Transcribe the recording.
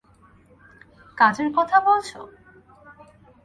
কাজের কথা বলছ?